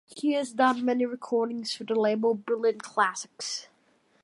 He has done many recordings for the label Brilliant Classics.